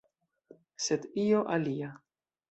Sed io alia.